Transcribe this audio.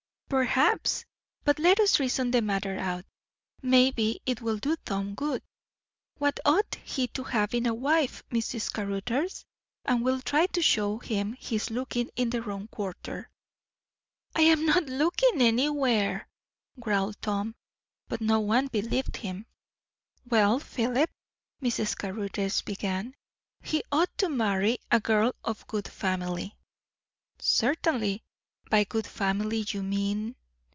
"Perhaps; but let us reason the matter out. Maybe it will do Tom good. What ought he to have in a wife, Mrs. Caruthers? and we'll try to show him he is looking in the wrong quarter." "I'm not looking anywhere!" growled Tom; but no one believed him. "Well, Philip," Mrs. Caruthers began, "he ought to marry a girl of good family." "Certainly. By 'good family' you mean